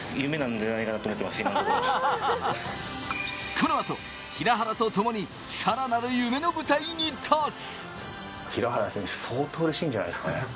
この後、平原とともにさらなる夢の舞台に立つ。